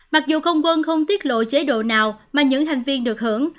mặc dù không quân không tiết lộ chế độ nào mà những thành viên được hưởng